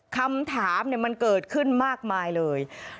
คำถามมันเกิดขึ้นมากมายเลย